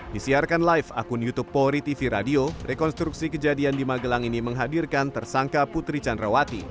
disiarkan live akun youtube polri tv radio rekonstruksi kejadian di magelang ini menghadirkan tersangka putri candrawati